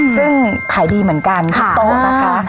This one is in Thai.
ซึ่งขายดีเหมือนกันทุกโต๊ะนะคะ